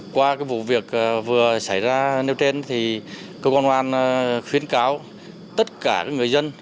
qua vụ việc vừa xảy ra nếu trên thì công an huyện khuyến cáo tất cả người dân